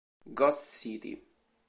Ghost City